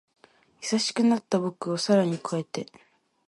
優しくなった僕を更に越えて